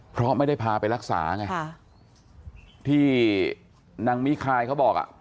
เพราะไม่ได้พาไปรักษาไงที่นางมิคายเขาบอกอ่ะ